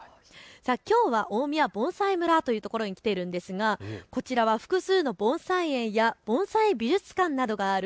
きょうは大宮盆栽村というところに来ているんですがこちらは複数の盆栽園や盆栽美術館などがある